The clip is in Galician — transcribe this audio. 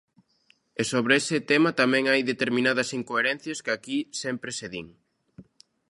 E sobre ese tema tamén hai determinadas incoherencias que aquí sempre se din.